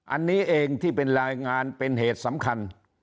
อันนี้เองที่เป็นรายงานเป็นเหตุสำคัญ